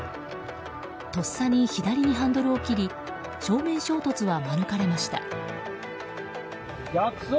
とっさに左にハンドルを切り正面衝突は免れました。